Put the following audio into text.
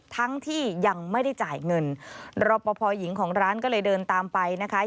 ทั้งที่ยังไม่ได้จ่ายเงินรอปภหญิงของร้านก็เลยเดินตามไปนะคะ